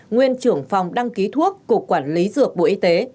nguyên trưởng phòng đăng ký thuốc cục quản lý dược bộ y tế